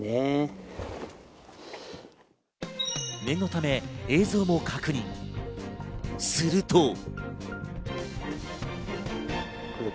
念のため映像も確認、すると。